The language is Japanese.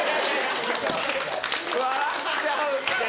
笑っちゃうって。